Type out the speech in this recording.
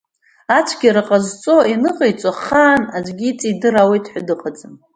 Ацәгьара ҟазҵо, ианыҟаиҵо ахаан аӡәы иҵидыраауеит ҳәа дыҟаӡам.